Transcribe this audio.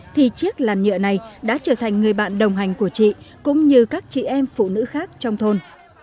thì chiếc làn nhựa này đã trở thành người bạn đồng hành của chị cũng như các chị em phụ nữ khác trong thôn